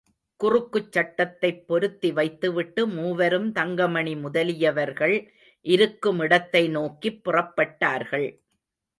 குறுக்குச் சட்டத்தைப் பொருத்திவைத்துவிட்டு மூவரும் தங்கமணி முதலியவர்கள் இருக்குமிடத்தை நோக்கிப் புறப்பட்டார்கள்.